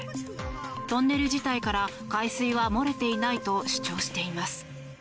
トンネル自体から海水は漏れていないと主張しています。